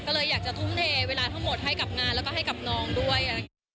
ก็เลยถึงเทเวลาทั้งหมดให้กับงานและก็ให้กับน้องด้วย